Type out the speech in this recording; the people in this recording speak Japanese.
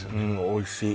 おいしい